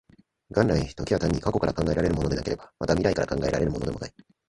元来、時は単に過去から考えられるものでもなければ、また未来から考えられるものでもない。